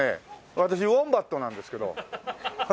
私ウォンバットなんですけど。